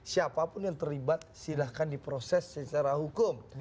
siapapun yang terlibat silahkan diproses secara hukum